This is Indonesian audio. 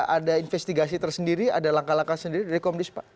ada investigasi tersendiri ada langkah langkah sendiri dari komdis pak